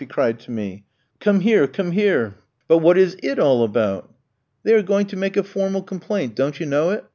he cried to me; "come here, come here!" "But what is it all about?" "They are going to make a formal complaint, don't you know it?